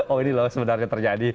oh ini loh sebenarnya terjadi